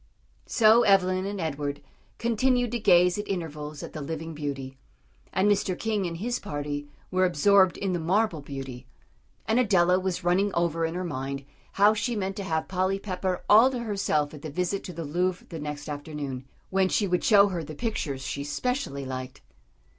So Evelyn and Edward continued to gaze at intervals at the living beauty, and Mr. King and his party were absorbed in the marble beauty; and Adela was running over in her mind how she meant to have Polly Pepper all to herself at the visit to the Louvre the next afternoon, when she would show her the pictures she specially liked.